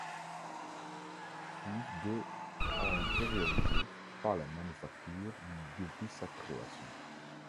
Plus de ont été réalisés par la Manufacture depuis sa création.